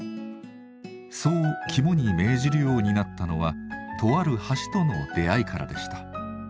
そう肝に銘じるようになったのはとある橋との出会いからでした。